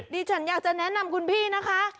ดิฉันอยากจะแนะนำคุณพี่นะคะ